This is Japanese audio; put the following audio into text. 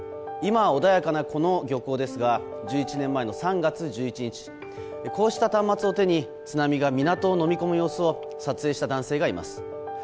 今は穏やかな、この漁港ですが１１年前の３月１１日こうした端末を手に津波が港をのみ込む様子を撮影した男性がいます。